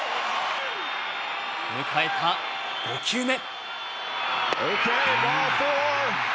迎えた５球目。